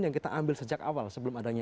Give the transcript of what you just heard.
yang kita ambil sejak awal sebelum adanya